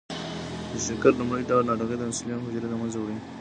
د شکر لومړی ډول ناروغي د انسولین حجرې له منځه وړي.